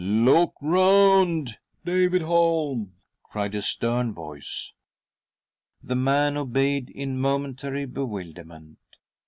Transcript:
" Look round, David Holm," cried a stern voice. The man. obeyed in momentary". bewilderment.